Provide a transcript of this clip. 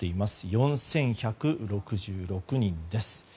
４１６６人です。